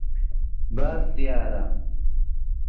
باش دیارە.